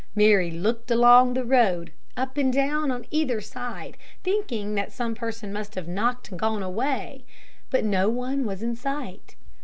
Mary looked along the road, up and down on either side, thinking that some person must have knocked and gone away; but no one was in sight.